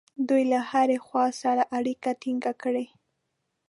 دوی له هرې خوا سره اړیکه ټینګه کړي.